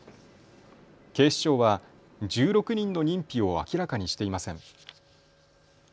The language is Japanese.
警視庁は１６人の認否を明らかにしていません。